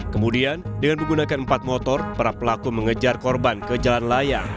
kemudian dengan menggunakan empat motor para pelaku mengejar korban ke jalan layang